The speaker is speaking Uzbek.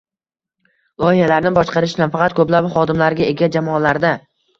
Loyihalarni boshqarish nafaqat ko’plab hodimlarga ega jamoalarda